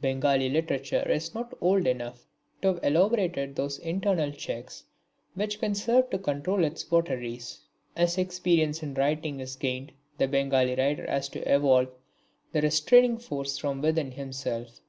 Bengali literature is not old enough to have elaborated those internal checks which can serve to control its votaries. As experience in writing is gained the Bengali writer has to evolve the restraining force from within himself.